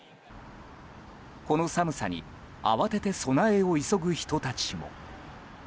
この寒さに慌てて備えを急ぐ人たちも。